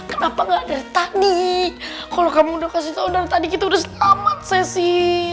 kenapa enggak tadi kalau kamu udah kasih tahu dari tadi kita udah selamat sesi